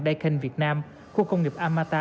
daikin việt nam khu công nghiệp amata